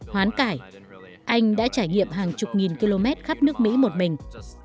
hoán cải anh đã trải nghiệm hàng chục nghìn km khắp nước mỹ một mình